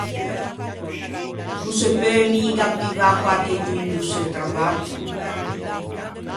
No se peu miga privâ quarchedun do seu travaggio.